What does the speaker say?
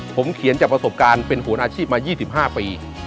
ผมเขียนจากประสบการณ์เป็นโหนอาชีพมา๒๕ปี